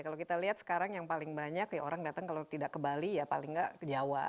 kalau kita lihat sekarang yang paling banyak ya orang datang kalau tidak ke bali ya paling nggak ke jawa